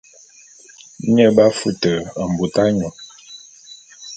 Nye b'afute mbut anyu.